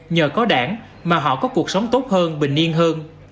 nhờ có đảng mà họ có cuộc sống tốt hơn bình yên hơn